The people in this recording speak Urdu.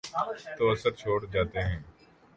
تو اثر چھوڑ جاتے ہیں۔